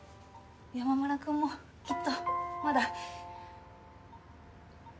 山村くんもきっとまだ。